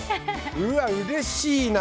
うわ、うれしいな！